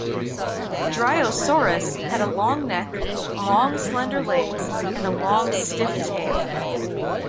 "Dryosaurus" had a long neck, long, slender legs and a long, stiff tail.